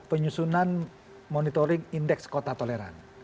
penyusunan monitoring indeks kota toleran